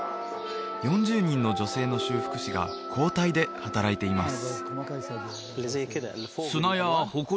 ４０人の女性の修復師が交代で働いています